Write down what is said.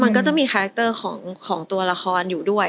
มันก็จะมีคาแรคเตอร์ของตัวละครอยู่ด้วย